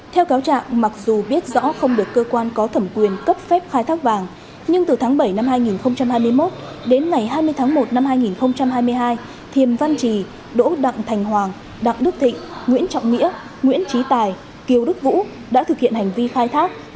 theo cáo trạng mặc dù biết rõ không được cơ quan có thẩm quyền cấp phép khai thác vàng nhưng từ tháng bảy năm hai nghìn hai mươi một đến ngày hai mươi tháng một năm hai nghìn hai mươi hai thiền văn trì đỗ đặng thành hoàng đặng đức thịnh nguyễn trọng nghĩa nguyễn trí tài kiều đức vũ đã thực hiện hành vi khai thác